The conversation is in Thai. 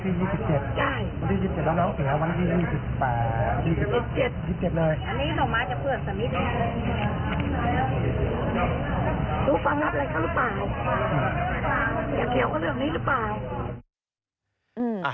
เกี่ยวกับเรื่องนี้หรือเปล่า